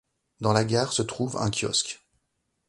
Dans la gare se trouve un kiosque.